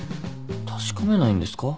確かめないんですか？